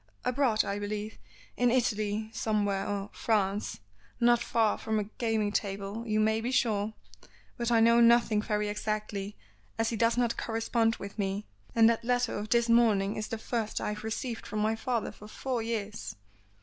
"Abroad, I believe. In Italy, somewhere, or France not far from a gaming table, you may be sure. But I know nothing very exactly, as he does not correspond with me, and that letter of this morning is the first I have received from my father for four years."